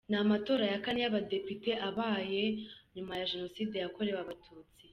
Ni amatora ya Kane y’abadepite abaye nyuma ya Jenoside yakorewe Abatutsi